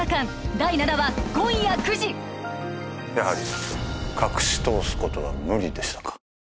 第７話今夜９時やはり隠し通すことは無理でしたか